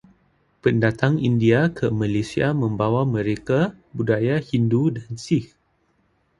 Pendatang India ke Malaysia membawa mereka budaya Hindu dan Sikh.